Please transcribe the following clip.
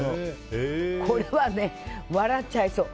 これはね、笑っちゃいそう。